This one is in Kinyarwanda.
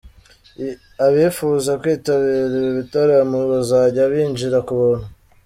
Abifuza kwitabira ibi bitaramo bazajya binjira ku buntu.